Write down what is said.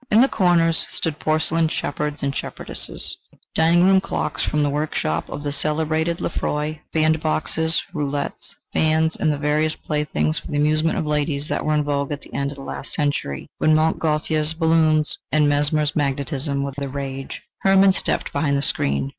In the corners stood porcelain shepherds and shepherdesses, dining room clocks from the workshop of the celebrated Lefroy, bandboxes, roulettes, fans and the various playthings for the amusement of ladies that were in vogue at the end of the last century, when Montgolfier's balloons and Mesmer's magnetism were the rage. Hermann stepped behind the screen.